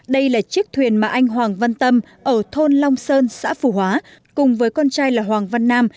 đây là chiếc thuyền mà anh hoàng văn tâm ở thôn long sơn xã phù hóa cùng với con trai là hoàng văn nam